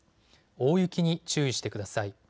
大雪に注意してください。